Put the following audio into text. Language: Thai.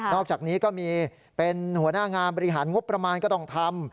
อกจากนี้ก็มีเป็นหัวหน้างานบริหารงบประมาณก็ต้องทำ